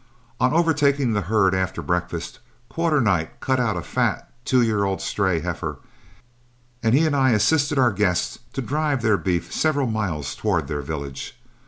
On overtaking the herd after breakfast, Quarternight cut out a fat two year old stray heifer, and he and I assisted our guests to drive their beef several miles toward their village.